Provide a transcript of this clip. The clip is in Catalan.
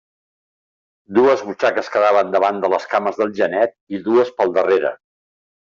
Dues butxaques quedaven davant de les cames del genet i dues pel darrere.